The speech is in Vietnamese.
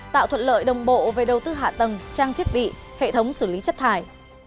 tạo thuận lợi đồng bộ về đầu tư hạ tầng trang thiết bị hệ thống xử lý chất thải